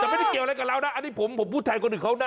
แต่ไม่ได้เกี่ยวอะไรกับเรานะอันนี้ผมพูดแทนคนอื่นเขานะ